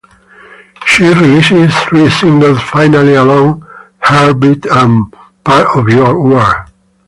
She released three singles: "Finally Alone", "Heartbeat" and Part of Your World.